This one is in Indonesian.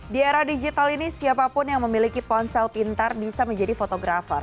di era digital ini siapapun yang memiliki ponsel pintar bisa menjadi fotografer